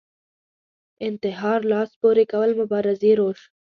انتحار لاس پورې کول مبارزې روش